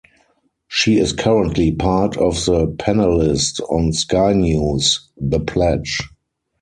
She is currently part of the panellist on Sky News "The Pledge".